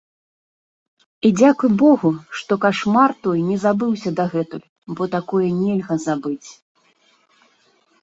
І дзякуй богу, што кашмар той не забыўся дагэтуль, бо такое нельга забыць.